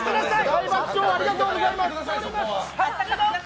大爆笑をありがとうございます！